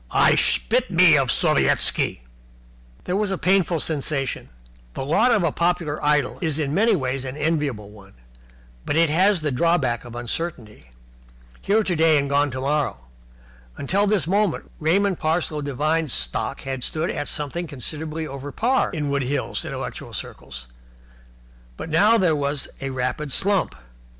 "I spit me of Sovietski!" There was a painful sensation. The lot of a popular idol is in many ways an enviable one, but it has the drawback of uncertainty. Here today and gone tomorrow. Until this moment Raymond Parsloe Devine's stock had stood at something considerably over par in Wood Hills intellectual circles, but now there was a rapid slump.